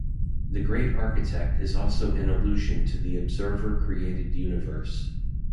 The Great Architect is also an allusion to the observer created universe.